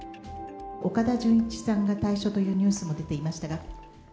岡田准一さんが退所というニュースも出ていましたが。